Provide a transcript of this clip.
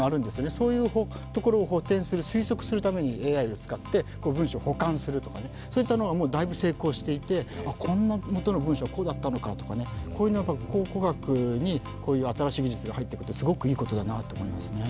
そういうところを補填する、推測するためにＡＩを使って文章を補完するとか、そういうものがだいぶ成功していてこんな、元の文書はこうだったのかとかこういうのは考古学に新しい技術が入ってくるのはすごくいいと思いますね。